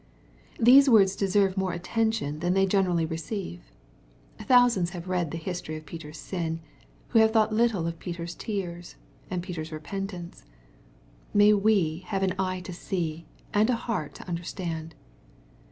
These words deserve more attention than they gene rally receive. Thousands have read the history of Peter's sin, who have thought little of Peter's tears, and Peter's repentance. May we have an eye to see, and a heart to understand.